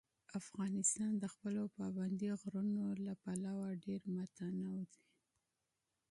افغانستان د خپلو پابندي غرونو له پلوه ډېر متنوع دی.